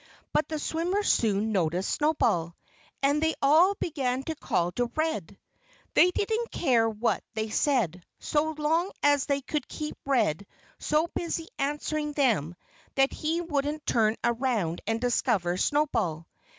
But the swimmers soon noticed Snowball. And they all began to call to Red. They didn't care what they said, so long as they could keep Red so busy answering them that he wouldn't turn around and discover Snowball.